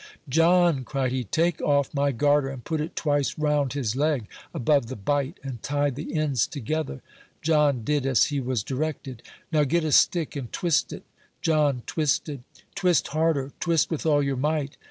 "John," cried he, "take off my garter and put it twice round his leg, above the bite, and tie the ends together." John did as he was directed. "Now get a stick and twist it." John twisted. "Twist harder; twist with all your might.